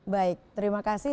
baik terima kasih